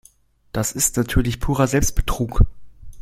Das ist natürlich purer Selbstbetrug.